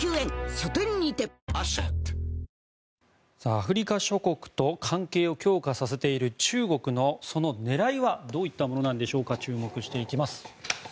アフリカ諸国と関係を強化させている中国のその狙いはどういったものなんでしょうか注目していきます。